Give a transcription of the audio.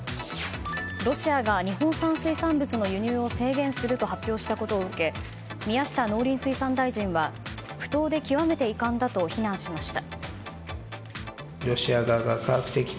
ロシアが日本産水産物の輸入を制限すると発表したことを受け宮下農林水産大臣は不当で極めて遺憾だと非難しました。